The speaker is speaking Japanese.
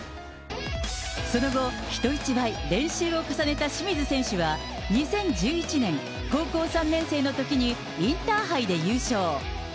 その後、人一倍練習を重ねた清水選手は、２０１１年、高校３年生のときに、インターハイで優勝。